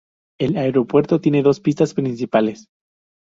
El aeropuerto tiene dos pistas principales.